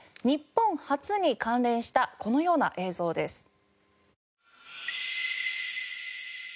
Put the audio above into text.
日本初に関連したこのような映像です。